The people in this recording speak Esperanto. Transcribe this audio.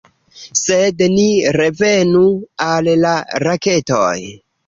Sed ni revenu al la raketoj.